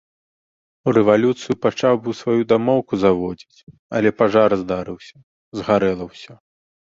У рэвалюцыю пачаў быў сваю дамоўку заводзіць, але пажар здарыўся, згарэла ўсё.